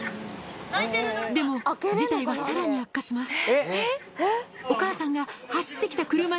でも事態はさらに悪化します。